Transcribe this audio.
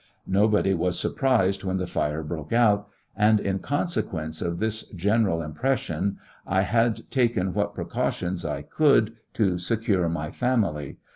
Nobody was surprised when the fire broke out; and in consequence of this general 11 impression, I had taken what precautions I could to secure my family.